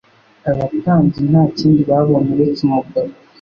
abatambyi nta kindi babonye uretse umugabo